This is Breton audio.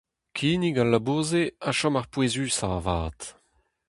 Kinnig al labour-se a chom ar pouezusañ avat.